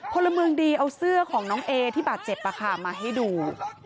พลเมืองดีเอาเสื้อของน้องเอที่บาดเจ็บมาให้ดู